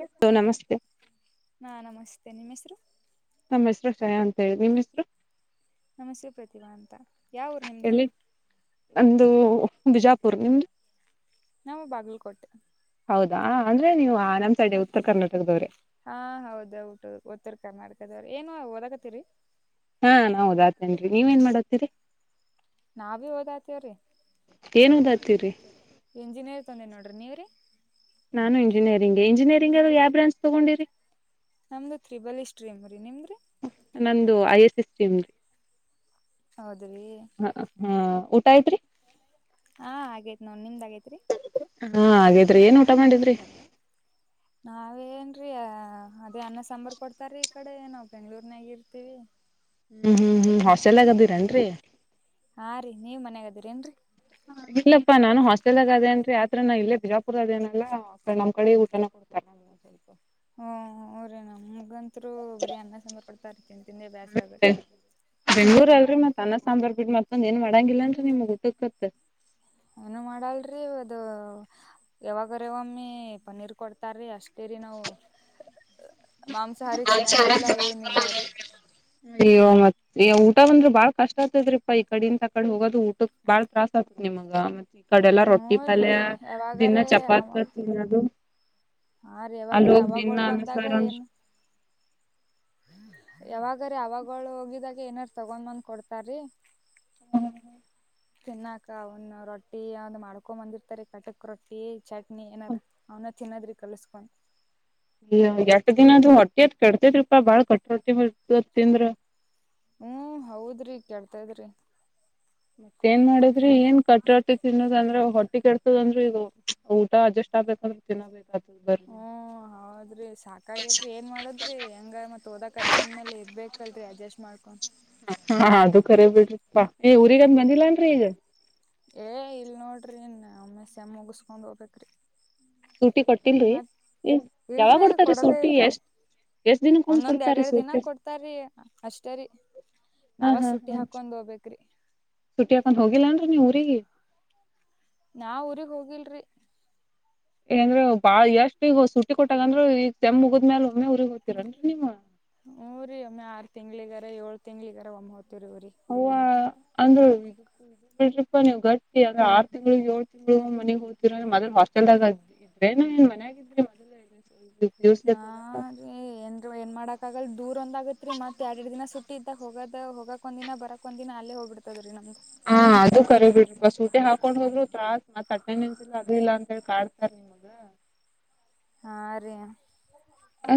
Hello ನಮಸ್ತೆ ಹಾ ನಮಸ್ತೆ ನಿಮ ಹೆಸ್ರು ನಮ್ಮ ಹೆಸರು ಶ್ರೇಯಾ ಅಂತ ಹೇಳಿ ನಿಮ್ಮ್ ಹೆಸರು ನಮಸ್ತೆ ಪ್ರತಿಭಾ ಅಂತ ಯಾವರು ನಿಮದುು ಎಲ್ಲಿ ಅಂದು ಬಿಜಾಪುರ್ ನಿಮ್ದ ನಮ್ಮ ಬಾಗಲ್ಕೋಟೆ ಹೌದಾ ಅಂದ್ರೆ ನೀವು ಆ ನಾಮ್ಸಡ್ ಉತ್ತರ ಕರ್ನಾಟಕದವ್ರೆ ಹಾ ಹೌದ ಊಟ ಉತ್ತರ ಕರ್ನಾಟಕದವ್ರ ಏನು ಓದಕತ್ತೀರಿ ಹಾ ನಾ ಉದಾತನ್ರಿ ನೀವ ಏನ್ ಮಾಡತೀರಿ ನಾ ಭಿ ಓದಾಯ್ತೇವ್ರೀ ತರಿ ಎಂಜಿನಿಯರ್ ತೊಂದೆ ನೋಡ್ರಿ ನೀವ್ರರಿ ನಾನು ಇಂಜಿನಿಯರಿಂಗ್ಗೆ ಇಂಜಿನಿಯರಿಂಗ್ಲ್ಲ ಯಾವ ಬ್ರಾಂಚ್ ತೊಗೊಂಡಿರಿ ನಮ್ದು ತ್ರಿಬಲಿ ಶ್ರೀಮ ರೀ ನಿಮ್ದು ನಂದು ಐ ಎಸ್ ಎಸ್ ಟೀಮ ರೀ ಹೌದ್ರಿ ಹ ಹಾ ಊಟ ಐತ್ರಿ ಹಾ ಆಗೇತ್ ನೋಡ್ ನಿಮ್ದ್ ಆಗೇತ್ರಿ ಹಾ ಹಾಗೇದ್ರಿ ಏನ್ ಊಟ ಮಾಡಿದ್ರಿ ನಾವೇನ್ರೀ ಅದೇ ಅನ್ನ ಸಾಂಬಾರ ಕೊಡ್ತಾರೀ ಈ ಕಡೆ ನಾವ್ ಬೆಂಗ್ಳೂರ್ನಾಗ ಇರ್ತೀವಿ ಹ್ಮ್ ಹ್ಮ್ ಹ್ಮ್ ಹಾಸ್ಟೆಲ್ ಆಗದೀರೇನ್ರಿ ಏನ್ರೀ ಇಲ್ಲಪ್ಪಾ ನಾನು ಹಾಸ್ಟೆಲಗ ಅದೇನ್ ಆತ್ರನ ಇಲ್ಲೇ ಬಿಜಾಪುರ್ ಅದೇನಲ್ಲಾ ನಮ್ಮ್ ಕಡೆ ಊಟನ ಕೊಡ್ತಾರ [unintelligible] ಹ್ಮ ರೇ ನ ಹಾಗತ್ರು ಬರಿ ಅನ್ನ ಸಂಂಬಾರ ಕೊಡ್ತಾ ಇರ್ತನ್ ತಿಂಧಿ ಬ್ಯಾಸ್ರ ಆಗತ್ ಸನ್ನ ಸಾಂಬಾರಾರ್ ಬಿಟ್ಟ ಮತ್ತೊಂದು ಏನ್ ಮಾಡಂಗಿಲ್ಲ ಅನ್ ನಿಮ್ಗ್ ಊಟ ಗೊತ್ತ ಏನು ಮಾಡಲ್ರಿ ಅದು ಯಾವಾಗ್ರವಮ್ಮಿ ಪನ್ನೀರ್ ಕೊಡ್ತಾರೀ ಅಷ್ಟ ಸರಿ ನಾವು ಮಾಂಸಾರಿ ತಿನ್ನಂಗಿಲ್ಲ ಏನಿಲ್ಲ ರೀ ಈಗ ಊಟ ಒಂದ್ರರು ಬಾಳ್ ಕಷ್ಟ ಆತದ್ರಿಪಾ ಈ ಕಡೆ ಇದಂತ ಕಡೆ ಹೋಗೋದು ಊಟ ಬಾಳ್ ತತ್ರಾ ಆತದ ನಿಮಗ ಮತ್ತೆ ಈ ಕಡೆಲ್ಲ ಹ್ಞೂ ರೊಟ್ಟಿ ರೀ ಪಲ್ಯ ದಿನ ಯಾವಾಗರೇ ಚಪಾತ ತಿನ್ನೋದು ಹಾ ರೀ ಯಾವಾಗ ಅಲ್ಲಿ ರೀ ಹೋಗಿ ದಿನ ಅವಾವಾಗೋಳ ಬಂದಾಗ ಅನ್ನಸಾರ ಏನು ಯಾವಾಗ ಅವಾಗ ಹೋಗಿದಾಗ ಏನಾರ ತೊಗೊಂಡ್ ಬಂದ್ ಕೊಡ್ತಾರೀ ಹ್ಮ ತಿನ್ನಾಕ ಅವನ್ ರೊಟ್ಟಿ ಅಂದ್ ಮಾಡ್ಕೊ ಬಂದಿರ್ತಾರೆ ಕಟಕ್ ರೊಟ್ಟಿ ಚಟ್ನಿ ಏನಾರ ಅವನ ತಿನ್ನೋದ್ರೆ ಕಲಸ್ಕೊಂಡು ಎಷ್ಟ ದಿನದು ಹೊಟ್ಟಿತ್ ಕೆಡತಿದ್ರಿಪಾ ಬಾಳ್ ಕಟ್ಟಟ್ಟಿ ತಿಂದ್ರ ಹ್ಮ ಹೌದ್ರಿ ಕೇಳ್ತದ್ರಿ ಮತ್ತೇಏನ್ ಮಾಡಿದ್ರಿ ಏನ್ ಕಾಟ ತಿನ್ನೋದಂದ್ರೆ ಹೊಟ್ಟಿ ಕೆಡತದ ಅಂದ್ರೆ ಇ ಊಟ ಅಡ್ಜಸ್ಟ್ ಆ [inaudible] ಬರ ಹ್ಮ್ ಹೌದ್ರಿ ಸಾಕಾಗೇತ್ರಿ ಏನ್ ಮಾಡೋದ್ರಿ ಹೆಂಗ ಮತ್ ಓದಕತಿ ಅಂದ್ಮೇಲೆ ಇರ್ಬೇಕಲ್ರರಿ ಅಡ್ಜಸ್ಟ್ ಮಾಡ್ಕೊಂಡ್ ಹ ಅದು ಕರಿ ಬಿಡ್ರಿಪ್ಪಾ ಈ ಊರಿಗಂದ ಬಂದಿಲ್ಲನ್ರರಿ ಈಗ ಏ್ ಇಲ್ ನೋಡ್ರಿ ಒಮ್ಮೆ ಸೆಮ್ಮ್ ಮುಗಸ್ಕೊಂಡ್ ಹೋಗ್ಬೇಕ್ರಿ ಸುಟ್ಟಿ ಕೊಟ್ಟಲ್ರಿ ಮತ್ ಯಾವಾಗ ಇಲ್ರಿ ಕೊಡ್ತಾರ ಕೊಡದೇ ಸುಟ್ಟಿ ಇಲ್ರಿ ಎಷ್ಟ ಒಂದೊಂದ್ ಎರಡ್ ಎರಡ್ ದಿನ ಕೊಡ್ತಾರೀ ಅಷ್ಟೇ ರೀ ಹಾ ನಾವ ಹಾ ಸುಟ್ಟಿ ಹಾ ಹಾಕೊಂಡ್ ಹೋಗ್ಬೇಕ್ರಿ ಸುಟ್ಟಿ ಹಾಕೊಂಡ್ ಹೋಗಿಲ್ಲ ಅನ್ ನೀ ಊರಿಗೆ ರೀ ನಾವ ಊರಿಗೆ ಹೋಗಿಲ್ರಿ ಏಂದ್ರೆ ಬಾಳ ಎಷ್ಟ ಈಗ ಸುಟ್ಟಿ ಕೊಟ್ಟಾಗಂದ್ರೂ ಈಗ ಸೇಮ್ ಮುಗುದ್ಮೇಲೆ ಒಮ್ಮೆ ಊರಿಗ್ ಹೋಗ್ತಿರೇನ್ರಿ ನೀವು ಹುರಿ ಒಮ್ಮೆ ಆರು ತಿಂಗಳಗರೇ ಏಳ್ ತಿಂಗಳಗರೇ ಒಮ್ಮ್ ಹೋಗ್ತೀವ್ರಿ ಊರಿಗೆ ಅಂದ್ರೆ ಬಿಡರಿಫಾ ನೀವು ಗಟ್ಟಿ ಆದ್ರೆ ಆರು ತಿಂಗಳು ಏಳ್ ತಿಂಗಳು ಮನೆಗ್ ಹೋಗ್ತಿರ್ರ ಮೊದಲ್ ಹಾಸ್ಟೆಲ್ ದಾಗ್ ಇದರಿ ಬೇನ ಏನ್ ಮನ್ಯಾಗಿದ್ರ ಮೊದಲು ನಾನ ರೀ ಏನ್ ಏನ್ ಮಾಡಕ್ ಆಗಲ್ ದೂರ ಒಂದ ಆಗತ್ರಿ ಮತ್ ಎಡ ಎಡು ದಿನ ಸುಟ್ಟಿ ಸುಟಿ ಇದ್ದಾಗ ಹೋಗದ ಹೋಗಕ ಒಂದಿನ ಬರಕ್ ಒಂದಿನ ಅಲ್ಲೇ ಹೋಗ್ಬಡ್ತದ ರೀ ನಮ್ದ ಹಾ ಅದು ಕರಿ ಬಿಡ್ರಿ ಸೂಟಿ ಹಾಕೊಂಡ್ ಹೋದ್ರು ತಾ ಮತ್ ಅಟೆಂಡೆನ್ಸ್ ಇಲ್ಲ ಅದು ಇಲ್ಲ ಅಂತ ಕಾಡುತ್ತಾರೆ. ಹೌದಾ ಹಾ ರಿ ಅ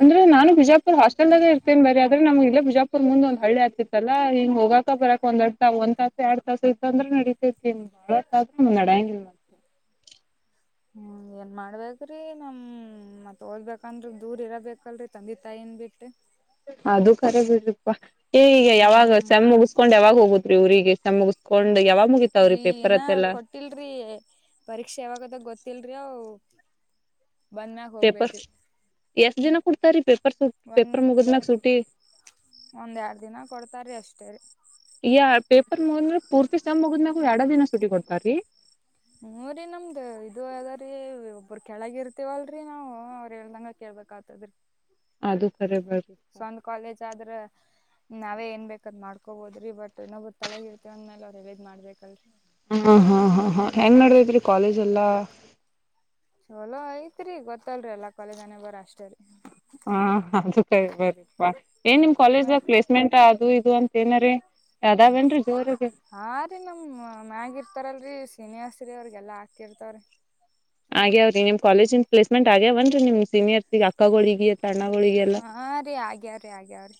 ಅಂದ್ರೆ ನಾನು ಬಿಜಾಪುರ ಹಾಸ್ಟೆಲ್ದಾಗ ಇರ್ತೇನ್ ಬರೀ ಆದ್ರೆ ನಮ್ ಇಲ್ಲ ಬಿಜಾಪುರ ಮುಂದ ಒಂದ ಹಳ್ಳಿ ಆಗ್ತಿತ್ತಲ್ಲ ಹಿ ಹೋಗಕ ಬರಕ್ ಒಂದ್ಡ್ ಒಂದ್ ತಾಸ ಎರಡ್ ತಾಸ ಇತ್ತ್ ಅಂದ್ರೆ ನಡಿತತಿ ಬಾಳತ್ತ ಆದ್ರೆ ನಡಂಗಿಲ್ಲ ನಮಗ ಹ್ಮ್ ಏನ್ ಮಾಡ್ಬೇಕ್ರಿ ನಮ್ ಮತ್ ಓದ್ಬೇಕಂದ್ರ ದೂರ್ ಇರಬೇಕಲ್ರರಿ ತಂದೆ ತಾಯಿ ನ್ ಬಿಟ್ಟ ಅದು ಕರೆ ಬಿಡರಿಪ್ಪ ಈಗ ಯಾವಾಗ ಹ್ಮ್ ಸೇಮ್ ಮುಗಿಸಕೊಂಡ್ ಯಾವಾಗ ಹೋಗದು ಇ ಇವರಿಗೆ ಸೆಮ್ ಮುಗಸ್ಕೊಂಡು ಯಾವಾಗ ಮುಗಿತಾವ್ರಿ ಈ ಪೇಪರ್ ಏನ ಅತ್ತೆಲ್ಲಾ ಕೊಟ್ಟಿಲ್ರಿ ಪರೀಕ್ಷೆ ಯಾವಾಗದಾಗ ಗೊತ್ತಿಲ್ರಿ ಹಾವು ಪೇಪರ್ಸ್ ಎಷ್ಟ ದಿನಕ್ ಕೊಡ್ತಾರ ಪೇಪರ್ ಪೇಪರ್ಸ್ ಒಂದ್ ಪೇಪರ್ ಮುಗುದ್ಮೇಲೆ ಸುಟಿ ಒಂದ್ ಎರಡ್ ದಿನ ಕೊಡ್ತಾರೀ ಅಷ್ಟೇ ರೀ ಯಾರ ಪೇಪರ್ ಮುಗದ್ ಮೆಲ್ ಪೂರ್ತಿ ಸೆಮ್ ಮುಗುದ ಎರಡ ದಿನ ಸುಟಿ ಕೊಡ್ತಾರ್ರೀ ಹುರಿ ನಮ್ದು ಇದು ಅದ ರೀ ಒಬ್ಬ್ರ ಕೆೇಳಗ ಇರ್ತೀವಲ್ರರಿ ನಾವು ಅವ್ರರು ಹೇಳದಂಗ ಕೇಳ ಕಾತದರಿ ಅದು ಕರೆ ಬಿಡ್ರಿ ಸ್ವಂತ ಕಾಲೇಜ್ ಆದರ ನಾವೇ ಏನ್ ಬೇಕಾದ್ ಮಾಡ್ಕೊಬೋದ್ರಿ ಬಟ್ ಇನ್ನೊಬ್ಬ ತಲೆಗಿರ್ತವಂದರ ಮೇಲೆ ಅವರ ಹೇಳಿದ ಮಾಡ್ಬೇಕಲ್ರರಿ ಹಾ ಹಾ ಹಾ ಹಾ ಹೆಂಗ್ ನಡದೈತ್ರಿ ಕಾಲೇಜ್ ಎಲ್ಲಾ ಚೊಲೋ ಐತ್ರಿ ಗೊತ್ತಲ್ರಿ ಎಲ್ಲ ಕಾಲೇಜ್ ಹಣೆಬರ ಅಷ್ಟ ರೀ ಹಾ ಅದು ಕರೆ ಬರಿಪ್ಪಾ ಏನ್ ನಿಮ್ ಕಾಲೇಜಾಗ ಮತ್ ಪ್ಲೇಸ್ಮೆಂಟ್ ಅದು ಇದು ಅಂತ ಏನಾರೀ ಅದಾವೇನ್ರಿ ಜೋರಗೆ ಹ ರೀ ನಮ ಮ್ಯಾಗ ಇರ್ತಾರಲ್ರಿ ಸೀನಿಯರ್ಸ್ ಅವ್ರಿಗೆಲ್ಲ ಹಾಕಿರ್ತವ್ರೀ ಆಗ್ಯಾವ್ರೀ ನಿಮ್ ಕಾಲೇಜನ್ ಪ್ಲೇಸ್ಮೆಂಟ್ ಆಗ್ಯಾವನ್ರಿ ನಿಮ್ ಸೀನಿಯರ್ಸ್ ಅಕ್ಕಗಳಿಗೆ ಸಣ್ಣಗಳೊಳಿಗೆಲ್ಲ ಆಗ್ಯಾವರಿ ಆಗ್ಯಾವರೀ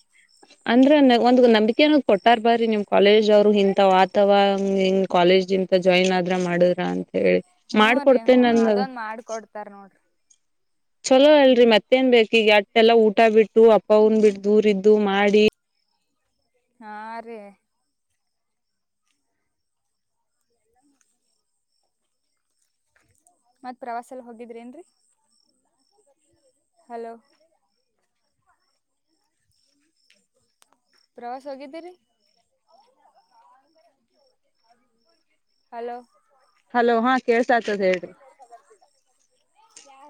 ಅಂದ್ರ ಒಂದ್ ನಂಬಿಕೆನ ಕೊಟ್ಟಾರ ಬರ್ರೀ ನಿಮ್ ಕಾಲೇಜ್ ಅವರು ಇಂತವ ಆತವ ಹಂಗ ಹಿಂಗ ಕಾಲೇಜು ಎಂತ ಜಾಯಿನ್ ಆದ್ರ ಮಾಡ ಅಂತ ಹೇಳಿ ಹ್ಞೂ ರೀ ಹ್ಞೂ ಮಾಡ್ಕೊಡ್ತೇನೆ ನನ್ನ ಅದೊಂದು ಮಾಡ್ಕೊಡ್ತಾರ ನೋಡ್ರಿ ಚಲೋ ಅಲ್ರರಿ ಮತ್ತೇನ್ ಬೇಕ್ ಈಗ ಅಟ್ಟೆಲ್ಲಾ ಊಟ ಬಿಟ್ಟು ಅಪ್ಪವನ್ ಬಿಟ್ಟ ದೂರ ಇದು ಇದ್ದು ಮಾಡಿ ಹಾರೀ ಮತ್ತ ಪ್ರವಾಸಲ್ಲ ಹೋಗಿದ್ರಿ ಏನ್ ರೀ ಹಲೋ ಪ್ರವಾಸ ಹೋಗಿದ್ದಿರಿ [unintelligible] ಹಲೋ ಹಲೋ ಹಾ ಕೇಳ್ಸ ಆತದೆ ಹೇಳರೀ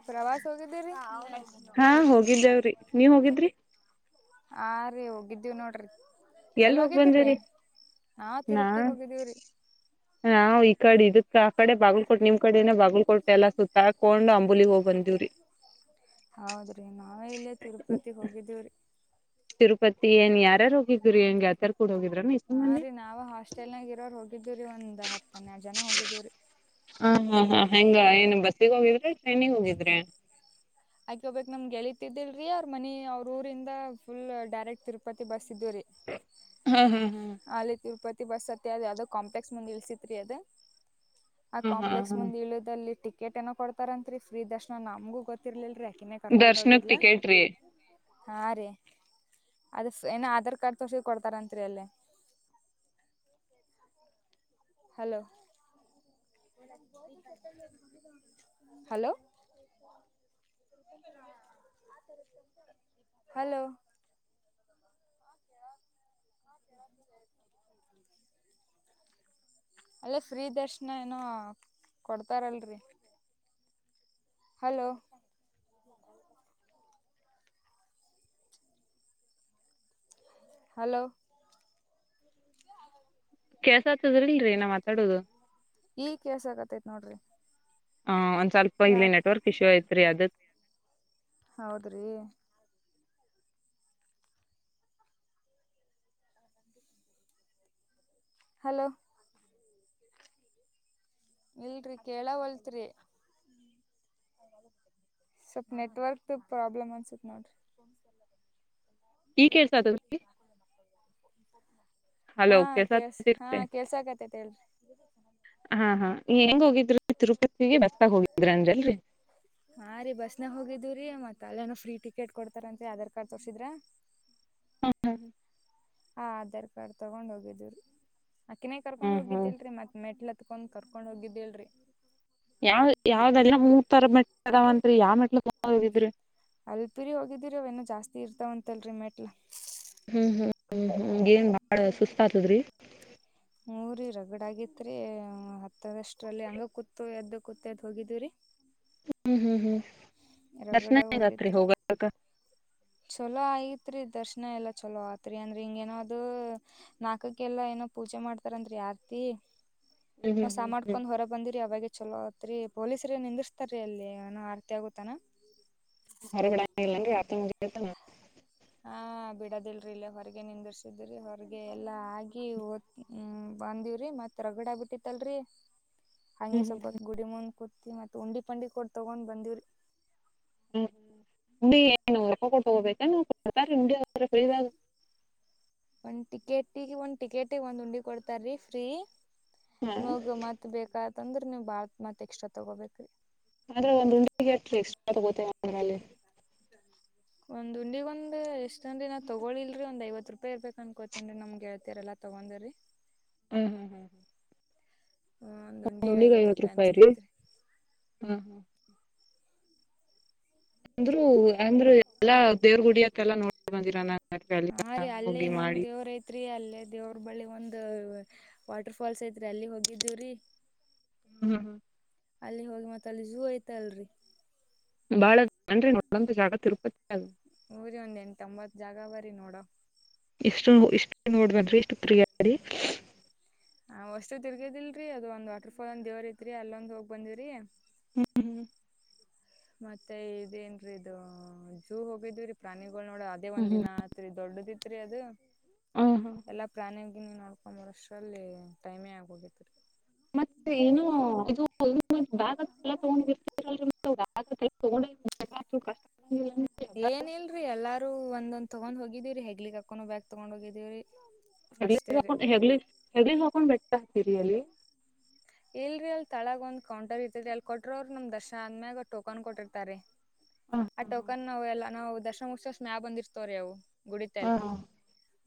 ಪ್ರವಾಸ ಹೋಗಿದ್ದೀ ರೀ ಹಾ ಹೋಗಿದ್ದೇವ್ರಿ ನೀವ್ ಹೋಗಿದ್ರಿ ಆ ರೀ ಹೋಗಿ ಇದ್ದೀವು ನೋಡರಿ ಎಲ್ ಹೋಗ್ ಎಲ್ಲೋಗಿದ್ದಿರೀ ಬಂದಿರಿ ಹಾ ನಾ ತಿರುಪತಿಗೆ ಹೋಗಿದ್ದೀವಿ ರೀ ನಾವ್ ಈ ಕಡೆ ಇದಕ್ಕೆ ಆ ಕಡೆ ಬಾಗಲ್ಕೋಟ್ ನಿಮ್ ಕಡೆನ ಬಾಗಲ್ಕೋಟ್ ಎಲ್ಲ ಸುತ್ತಾಕೊಂಡ್ ಅಂಬುಲಿ ಹೋಗ್ ಬಂದೀವ್ರಿ ಹೌದ್ರಿ ನಾವೇ ಇಲ್ಲೇ ತಿರುಪತಿಗೆ ಹೋಗಿದ್ದೀವ್ರಿ ತಿರುಪತಿ ಏನ್ ಯಾರ್ಯಾರು ಹೋಗಿದ್ರು ಏನ್ ಗೆಳೆತಯರ್ ಕೂಡ ಹೋಗಿದ್ರನು ಇಸು ಮಂದಿ ಇದ್ದೀವ್ರರಿ ಒಂದ್ ಹತ್ತ ಹನ್ನೆರಡು ಜನ ಹೋಗಿದ್ದೀವ್ರರಿ ಹ ಹಾ ಹಾ ಹೆಂಗ ಏನು ಬಸ್ಸಿಗೆ ಹೋಗಿದ್ರೆ ಟ್ರೈನಿಿಗೆ ಹೋಗಿದ್ರೆ ನಮ್ಗೆಳೀತಿದ್ದಿಲ್ರರಿ ಅವ್ರ ಮನಿ ಅವ್ರ ಊರಿಂದ ಫುಲ್ ಡೈರೆಕ್ಟ್ ತಿರುಪತಿ ಬಸ್ ಇದ್ ರೀ ಹಾ ಹಾ ಹಾ ಆ ತಿರುಪತಿ ಬಸ್ ಅತ್ತತಿ ಅದ ಯಾವ್ದೋ ಕಾಂಪ್ಲೆಕ್ ಮುಂದ್ ಇಲ್ಸಿತ್ ರೀ ಅದ ಆ ಹಾ ಹಾ ಕಾಂಪ್ಲೆಕ್ಸ್ ಹಾ ಮುಂದ್ ಇದ ಅಲ್ಲಿ ಟಿ ಕೇಟ್ ಏನೋ ಕೊಡ್ತಾರಂತ್ರಿ ಫ್ರೀ ದರ್ಶನ ನಮ್ಗೂ ಗೊತ್ತಿರ್ಲಲ್ರಿ ಯಾಕಿನೇ ಕರ್ಕೊಂಡ್ ದರ್ಶನಕ್ ಹೋಗಿದ್ಲ ಟಿಕೆಟ್ ರೀ ಹಾ ರೀ ಅದ ಏನ ಆಧಾರ್ ಕಾರ್ಡ್ ತೋರ್ಸ ಕೊಡ್ತಾರತ್ರಿ ಅಲ್ಲಿ ಹಲೋ ಹಲೋ ಹಲೋ ಕ [unintelligible] ಅಲ್ಲ ಫ್ರೀ ದರ್ಶನ ಏನೋ ಕೊಡ್ತಾರಲ್ರಿ ಹಲೋ ಹಲೋ ಕೆಸ ಆತದ್ರ ಇಲ್ರರಿ ನಾವ್ ಮಾತಾಡೋದು ಈಗ್ ಕೆಸ ಆಗತೈತ್ ನೋಡ್ರಿ ಹ ಒಂದ್ ಸ್ವಲ್ಪ ಇಲ್ಲಿ ಯಾಕ ನೆಟ್ವರ್ಕ್ ಇಶೂ ಐತ್ರಿ ಅದ ಹೌದ್ರಿ ಹಲೋ ಇಲ್ರಿ ಕೇಳ ಹೊಲ್ತ್ರಿ ಸೊಪ್ ನೆಟ್ವರ್ಕ್ ಪ್ರಾಬ್ಲಮ್ ಅನ್ಸುತ್ತ ನೋಡ್ರೀ ಈ ಹ್ಮ ಕೇಳ್ಸಾತದ್ರಿ [unintelligible] ಹಾ ಹಲೋ ಕೆಲ್ಸ ಹಾ ಕೇಳ್ಸಾತದ್ರಿ ಕೆಲ್ಸ ಆಕತತಿ ಹೇಳ್ರಿ ಹಾ ಹಾ ಹೆಂಗ ಹೋಗಿದ್ರರು ತಿರುಪತಿಗೆ ಬಸ್ಗ ಹೋಗಿದ್ರ ಅನ್ಲ್ರರಿ ಹಾ ರೀ ಬಸ್ನ ಹೋಗಿದ್ದುರೀ ಮತ್ ಅಲ್ಲೇನ ಫ್ರೀ ಟಿಕೆಟ್ ಕೊಡ್ತಾರಂತರಿ ಆಧಾರ್ ಕಾರ್ಡ್ ತೋರ್ಸಿದ್ರ ಹ್ಮ ಹಾ ಹಾ ಆಧಾರ್ ಕಾರ್ಡ್ ತಗೊಂಡ್ ಹೋಗಿದವಿ ರೀ ಆಕಿನೇ ಕರ್ಕೊಂಡ್ ಹ್ಮ್ ಹ್ಮ್ ಹೋಗಿದ್ದಿಲ್ರರಿ ಮತ್ ಮೆಟ್ಲ ಕತ್ಕೊಂಡು ಕರ್ಕೊಂಡು ಹೋಗಿದ್ದೇಳರಿ ಯಾವ ಯಾವ್ದಲ್ಲ ಮೂರ್ ತರ ಮದಾವತ್ರಿ ಯಾವ ಮೆಟ್ಲು ದಾಗ ಹೋಗಿದ್ರಿ ಅಲ್ಪುರಿ ಹೋಗಿದೀರಿ ಅವ ಏನ ಜಾಸ್ತಿ ಇರ್ತಾವ ಅಂತ ಅಲ್ರಿ ಮೆಟ್ಲ ಹ್ಮ್ ಹ್ಮ್ ಹ್ಮ್ ಹ್ಮ್ ಏನ್ ಬಾಳ ಸುಸ್ತ ಆತದ್ರಿ ಹ್ಮ್ ರೀ ರಗಡ್ ಆಗತ್ರಿ ಹತ್ತದಷ್ಟ್ರಲ್ಲಿ ಹಂಗ ಕೂತು ಎದ್ದ ಕೊತ್ತ ಹೋಗಿದ್ದರಿ ಹ್ಮ್ ಹ್ಮ್ ಹ್ಮ್ ರಗಡ್ ದರ್ಶನ ಆಗತ್ರಿ ಹೋಗತ್ರಿ ಹೋಗ ಚಲೋ ಆಯತ್ ಆತ್ರಿ ದರ್ಶನ ಎಲ್ಲ ಚಲೋ ಆತ್ರಿ ಅಂದ್ರಿ ಹಿಂಗೇಏನೋ ಅದು ನಾಲ್ಕ ಎಲ್ಲಾ ಏನೋ ಪೂಜೆ ಮಾಡ್ತಾರಂದ್ರೀ ಆರ್ತಿ ಹ್ಮ್ ಹ್ಮ್ ನ ಹ್ಮ್ ಸ ಹ್ಮ್ ಮಾಡ್ಕೊಂಡ್ ಹೊರ ಬಂದಿರಿ ಅವಾಗ ಚಲೋ ಅತ್ರಿ ಪೊಲೀಸ್ರ ನಿಂದಿಸ್ತಾರೀ ಅಲ್ಲಿ ಏನ ಆರ್ತಿ ಆಗುತ್ತಾನ ಹೊರಗಡೆ ಇಲ್ಲನ್ರಿ ಆರ್ತಿ ಮುಗತ ನಾ ಹಾ ಬಿಡದಿಲ್ರಿ ಇಲ್ಲ ಹೊರಗೆ ನಿಂತಿರ್ಸಿದ್ರಿ ಹೊರಗೆ ಎಲ್ಲಾ ಆಗಿ ಹ್ಮ್ ಬಂದಿವ್ರಿ ಮತ್ತೆ ರಗಡ ಆಗ್ ಬಿಟ್ಟಿತ್ತಲ್ರಿ ಹ್ಮ್ ಹಂಗೆ ಹ್ಮ್ ಸೊಪತ್ತು ಗುಡಿ ಮುಂದ ಕುೂಡ್ತಿವಿ ಮತ್ತು ಉಂಡಿ ಪಂಡಿಗೆ ಕೊಡು ತಗೊಂಡ್ ಬಂದೀವ್ರಿ ಹ್ಮ್ ಹುಂಡಿ ಏನು ರೊಕ್ಕ ಕೊಟ್ಟು ತಗೋಬೇಕೆನು ಕೊಡ್ತ ಹುಂಡಿ ಅವ್ರಬಳಿದಾಗ ಒಂದ್ ಟಿಕೆಟಿಗೆ ಒಂದ್ ಟಿಕೆಟ್ ಒಂದ್ ಉಂಡಿ ಒಂದು ಕೊಡ್ತಾರೀ ಫ್ರೀ ಹಾ ನೋಗ್ ಮತ್ ಬೇಕಾತ್ಂದ್ರ ನೀವ್ ಬಾಳತ್ ಮತ್ ಎಕ್ಸ್ಟ್ರಾ ತಗೋಬೇಕ್ರಿ ಆದ್ರೆ ಒಂದು ಉಂಡಿಗೆ [unintelligible] ಎೀ ಎಕ್ಸ್ಟ್ರಾ ತಗೋತ ಅಂದ್ರ ಅಲ್ಲಿ ಒಂದ್ ಉಂಡಿಗೊಂದು ಎಷ್ಟನ್ರಿ ನಾ ತಗೊಳಿಲ್ರಿ ಒಂದ್ ಐವತ್ತು ಹತ್ರುಪಾಯಿ ಇರ್ಬೇಕಕ್ ಅನ್ಕೋತನ್ ನಮ್ ಗೆಳತಿರಲ್ಲ ತಗೊಂಡಂದ್ರಿ ಹ್ಮ್ ಹ್ಮ್ ಹ್ಮ್ ಹ್ಮ್ ಒಂದ್ ಒಂದು್ ಉಂಡಿಗ್ ಉ್ಣಿಗೆ ಐವತ್ ರೂಪಾಯಿ ರೀ ಅನ್ಸ್ತೈತ್ರಿ ಹಾ ಹಾ ಅಂದ್ರರು ಅಂದ್ರ ಎಲ್ಲಾ ದೇವ್ರ ಗುಡಿ ಅತ್ತೆಲ್ಲಾ ನೋಡ್ ಬಂದಿರ ನ ಹಾ ರೀ ಅಲ್ಲೇ ಹೋಗಿ ಇನ್ನೊಂದ್ ಮಾಡಿ ದೇವ್ರ ಐತ್ರಿ ಅಲ್ಲೇ ದೇವ್ರ ಬಳಿ ಒಂದ ವಾಟರ್ ಫಾಲ್ಸ್ ಐತ್ರಿ ಅಲ್ಲಿ ಹೋಗಿದ್ದೇವ್ರಿ ಹ್ಮ್ ಹ್ಮ್ ಹ್ಮ್ ಅಲ್ಲಿ ಹೋಗಿ ಮತ್ತ ಅಲ್ಲಿ ಝೂ ಐತ ಅಲ್ರಿ ಬಾಳನ್ ಒೊ ಜಾಗ ತಿರುಪತಿ ಊರಿ ಒಂದ್ ಎನ್ ತಂಬತ್ ಜಾಗ ಬರೀ ನೋಡ ಎಷ್ಟು ಇಷ್ಟು ನೋಡ್ದನ್ಿ ಇಷ್ಟು ಪ್ರಿಯಾರಿ ಹ್ ಅಷ್ಟು ತಿರ್ಗದಿಲ್ರರಿ ಅದು ಒಂದ್ ವಾಟರ್ಫಾಲ್ ಒಂದ್ ದೇವ್ರ ತ್ರಿ ಅಲ್ಲೊಂದ್ ಹೋಗ್ ಬಂದಿ್ರರಿ ಮತ್ತೆ ಇದೇನ್ರೀ ಇ ಜೂ ಹೋಗಿದವಿೀ ಪ್ರಾಣಿ ನೋಡ ಅದೇ ಹ್ಮ್ ಒಂದ್ ದಿನ ಆತ್ರಿ ದೊಡ್ಡದ ಇತ್ರಿ ಅದು ಹ್ಮ್ ಹ್ಮ್ ಎಲ್ಲಾ ಪ್ರಾಣಿ ನೀ ನೋಡ್ ಒಂಬಷ್ಟ್ರಲ್ಲಿ ಟೈಮೇ ಆಗೋಗೇತಿರಿ ಮತ್ತೆ ಏನು ಇ ಬಾಗ ಎ ತೊಂಡ್ರ್ತಲ್ ಅ ಕಷ್ಟ ಏನ್ ಇಲ್ರಿ ಎಲ್ಲಾರು ಒಂದೊಂದ ತಗೊಂಡ್ ಹೋಗಿದೀವ್ರರಿ ಹೆಗ್ಲಿ ಕಕೊಂಡ ಬ್ಯಾಗ್ ತೊಗೊಂಡ್ ಹೋಗಿದೀವ್ರರಿ ಹೆಗ ಹೆಗಲಿ ಹೆಗಲಿ ಜಕು ಮಟ್ಟತಾ ಸರಿಯಲಿ ಇಲ್ರಿ ಅಲ್ಲಿ ತಳಗ ಒಂದ ಕಂರ್ ಇರ್ತರಿ ಅಲ್ಲಿ ಕೊಟ್ರೋ ಅವರು ನಮ್ ದಶ ಆದ್ಮ್ಯಾಗ ಟೋಕನ್ ಕೊಟ್ಟಿರ್ತರಿ ಆ ಟೋಕನ್ ನಾವ್ ಎಲ್ಲಾ ನಾವು ದಶಮ ಉತ್ಸ ಸ್್ಮ್ಯಾ ಬಂದಿರ್ತವ್ರಿ ಅವು ಗುಡಿತಲೆ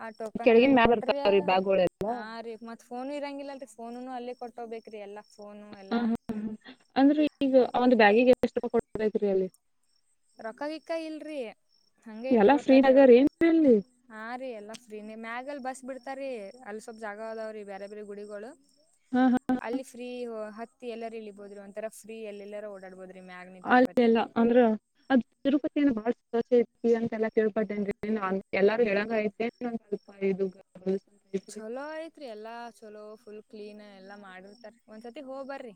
ಆ ಟೋಕನ್ ಕೆಳಗಿನ ಅಲ್ಲಿ ಮ್ಯಾಗ ಕೊಟ್ರಿ ಬರ್ತಾವ್ರಿ ಬ್ಯಾಗ್ಗಳೆಲ್ಲ ಆ ರೀ ಮತ್ ಫೋನ್ ಇರಂಗಿಲ್ಲ ಅ್ರ ಫೋನು ಅಲ್ಲೇ ಕೊಟ್ಟೋಗ್ಬೇಕು ರೀ ಎಲ್ಲ ಹ ಹ ಅಂದ್ರೆ ಈಗ ಒಂದು ಬ್ಯಾಗಿಿಗೆ ಎಷ್ಟು ಕೊರಿ ಅಲ್ಲಿ ರೊಕ್ಕವಿಕ್ಕ ಇಲ್ರಿ ಹಂಗಗೆ ಎಲ್ಲಾ ಫ್ರೀ ಇಟ್ಟುಕೋತಾರೀ ಅವ್ರ ಆಗ್ಯಾರಿ ಹ ರೀ ಎಲ್ಲ ಎಲ್ಲ ಫ್ರೀ ನೀ ಮ್ಯಾಗ ಅಲ್ ಬಸ್ ಬಿಡ್ತಾರಾರಿೀ ಅಲ್ಲಿ ಸ್ವಲ್ಪ್ ಜಾಗ ಅದಾವ್ರೀ ಬೇರೆ ಬೇರೆ ಗುಡಿಗಳು ಹಾ ಅಲ್ಲಿ ಫ್ರೀ ಹತ್ತಿ ಎಲ್ಲಾರೂ ಇಳಿಬೋದ್ರಿ ಒಂಂತರ ಫ್ರೀ ಅಲ್ಲ ಎಲ್ಲರ ಓಡಾಡ್ಬೋುದು ಅಲ್ಲ ಎಲ್ಲ ಅಂದ್ರ ಅದ್ ತಿರುಪತಿಯ ಬಾಳೋ ಐತಿ ಅಂತ ಎಾ ಕೇಳ್ಪಟ್ಟೇನ್ ಎಲ್ಲಾರು ಹೇಳಂಗಐತೆ ಅಲ್ಪ ಇದು ಅಂತ ಐತ್ರಿ ಚಲೋ ಆಐತ್ರಿ ಎಲ್ಲಾ ಚಲೋ ಫುಲ್ ಕ್ಲೀನ್ ಎಲ್ಲಾ ಮಾಡಿರ್ತಾರ ಒಂದ್ಸರ್ತಿ ಹೋಗ್ಬರ್ರಿ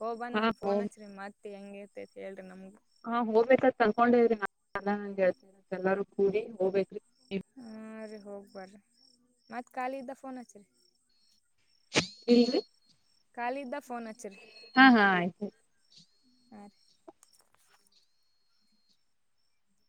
ಹೋಗ್ ಬಂದ ಹಾ ನಮ್ ಫೋನ್ ಹಚ್ಚರಿ ಮತ್ತ ಹೆಂಗೇಐತೆತ್ ಹೇಳ್ರಿ ನಮ್ಗೆ ಹಾ ಹೋಗ್ಬೇಕಾದ ತಂದಕೊಂಡ ಇದ್ರಿ ನ ಚಂಗಗೆ ಹೇಳ್ತನಿ ಎಲ್ಲಾರ ಕೂಡಿ ಹೋಗ್ಬೇಕಿ ಎ ಹೋಗ್ಬರ್ರಿ ಮತ್ತತ್ ಕಖಾಲ ಇದ್ದ ಫೋನ್ ಹಚ್ಚ್ರರಿ ಹೇಳಗೆ ಕಾಲ ಇದ್ದ ಹಾ ಹಾ ಆಯ್ತು್ತು ಹ